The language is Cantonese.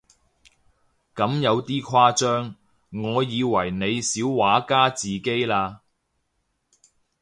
咁有啲誇張，我以為你小畫家自己拉